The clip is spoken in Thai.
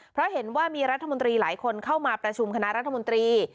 เพราะเห็นว่ามีรัฐมนตรีหลายคนเข้ามาประชุมคณะรัฐมนตรี